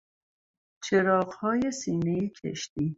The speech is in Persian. چراغهای سینهی کشتی